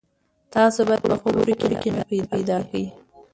تاسو باید په خپلو خبرو کې نرمي پیدا کړئ.